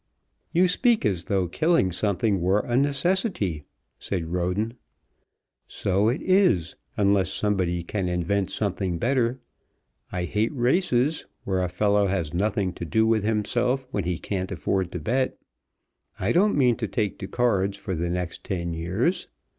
"You speak as though killing something were a necessity," said Roden. "So it is, unless somebody can invent something better. I hate races, where a fellow has nothing to do with himself when he can't afford to bet. I don't mean to take to cards for the next ten years.